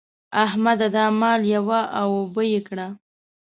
احمده! دا مال یوه او اوبه يې کړه.